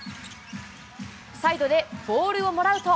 サイドでボールをもらうと。